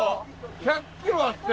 １００キロだって！